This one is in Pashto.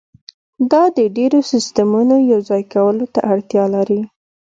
دا د ډیرو سیستمونو یوځای کولو ته اړتیا لري